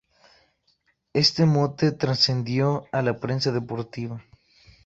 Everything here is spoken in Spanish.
Este mote trascendió a la prensa deportiva.